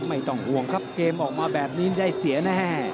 ไม่ต้องห่วงครับเกมออกมาแบบนี้ได้เสียแน่